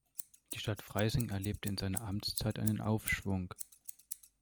Die Stadt Freising erlebte in seiner Amtszeit einen Aufschwung.